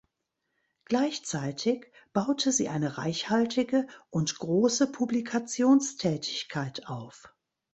Gleichzeitig baute sie eine reichhaltige und große Publikationstätigkeit auf.